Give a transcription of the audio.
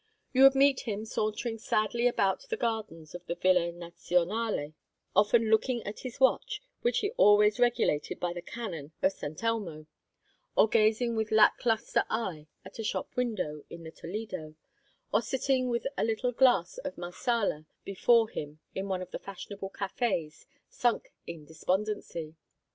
You would meet him sauntering sadly about the gardens of the Villa Nazionale, often looking at his watch, which he always regulated by the cannon of Sant' Elmo: or gazing with lack lustre eye at a shop window in the Toledo; or sitting with a little glass of Marsala before him in one of the fashionable cafes, sunk in despondency.